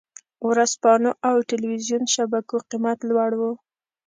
ورځپاڼو او ټلویزیون شبکو قېمت لوړ و.